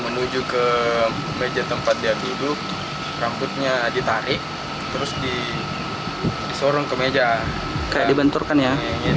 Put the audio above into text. menuju ke meja tempat dia duduk rambutnya ditarik terus disorong ke meja kayak dibenturkan ya